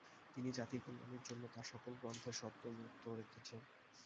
তিনি জাতির কল্যাণের জন্য তার সকল গ্রন্থের স্বত্ব উন্মুক্ত রেখেছেন।